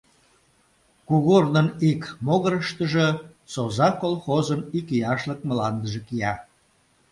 Кугорнын ик могырыштыжо Соза колхозын икияшлык мландыже кия.